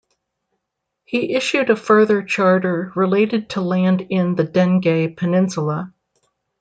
He issued a further charter related to land in the Dengie peninsula.